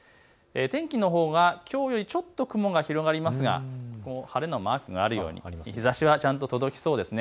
天気のほうがきょうよりちょっと雲が広がりますが晴れのマークがあるように日ざしはちゃんと届きそうです。